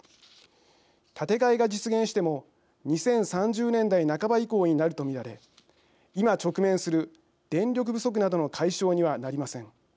建て替えが実現しても２０３０年代半ば以降になると見られ今、直面する電力不足などの解消にはなりません。